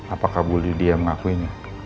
apakah ibu lydia mengakuinya